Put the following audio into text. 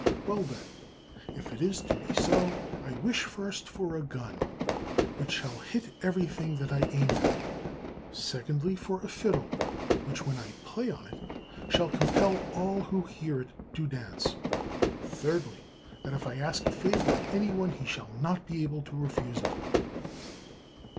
Well, then, if it is to be so, I wish, first, for a gun, which shall hit everything that I aim at; secondly, for a fiddle, which when I play on it, shall compel all who hear it to dance; thirdly, that if I ask a favor of any one he shall not be able to refuse it."